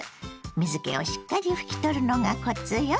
水けをしっかり拭き取るのがコツよ。